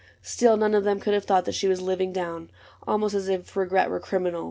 Still none of them Could have a thought that she was living down — Almost as if regret were criminal.